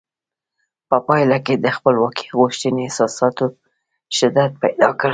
په پایله کې د خپلواکۍ غوښتنې احساساتو شدت پیدا کړ.